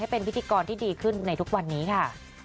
เป็นพิธีกรที่ดีขึ้นในทุกวันนี้ค่ะ